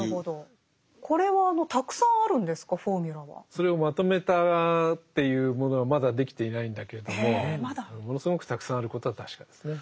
それをまとめたっていうものはまだできていないんだけれどもものすごくたくさんあることは確かですね。